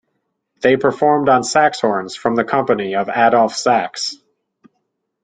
They performed on Saxhorns from the company of Adolph Sax.